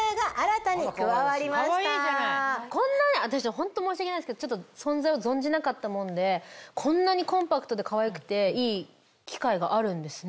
ホント申し訳ないんですけど存在を存じなかったもんでこんなにコンパクトでかわいくていい機械があるんですね。